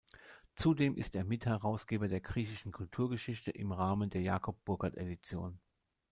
Zudem ist er Mitherausgeber der "Griechischen Kulturgeschichte" im Rahmen der Jacob Burckhardt-Edition.